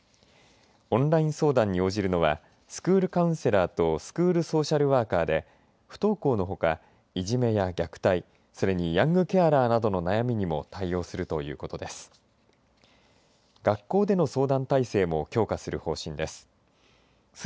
オンライン相談に応じるのはスクールカウンセラーとスクールソーシャルワーカーで不登校のほかいじめや虐待それにヤングケアラーなどの悩みにも対応するということです。